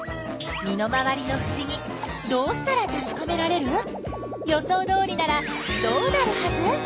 身の回りのふしぎどうしたらたしかめられる？予想どおりならどうなるはず？